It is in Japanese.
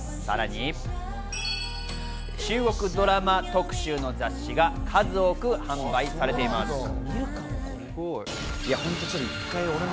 さらに中国ドラマ特集の雑誌が数多く販売されています。